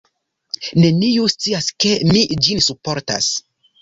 Neniu scias ke mi ĝin surportas.